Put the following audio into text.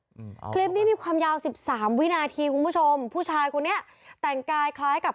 อืมคลิปนี้มีความยาวสิบสามวินาทีคุณผู้ชมผู้ชายคนนี้แต่งกายคล้ายกับ